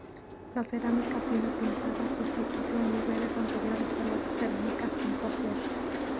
La cerámica fina pintada sustituyó en niveles anteriores a la cerámica sin cocer.